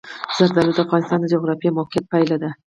زردالو د افغانستان د جغرافیایي موقیعت پایله ده.